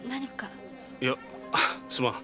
いやすまん。